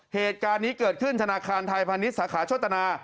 เหตุการณ์นี้เกิดขึ้นธนาคารไทยพาณิชย์สาขาโชตนา